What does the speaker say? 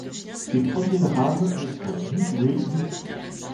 Ses premiers drames ne sont ni joués ni lus.